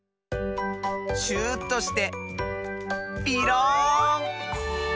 シューッとしてピローン！